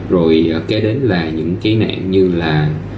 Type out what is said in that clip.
rồi kế đến là những cái nạn như là